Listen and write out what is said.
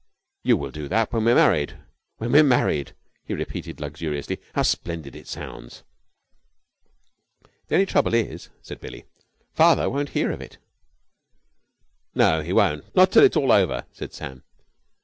"You will do that when we're married. When we're married!" he repeated luxuriously. "How splendid it sounds!" "The only trouble is," said Billie, "father won't hear of it." "No, he won't. Not till it is all over," said Sam.